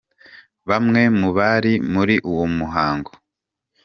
Bamwe mu bari muri uwo muhango.